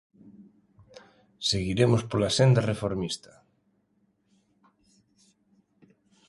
"Seguiremos pola senda reformista".